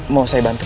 mau saya bantu